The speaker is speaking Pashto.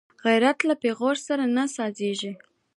غیرت له پېغور سره نه سازېږي